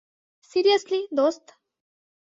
Seriously, দোস্ত?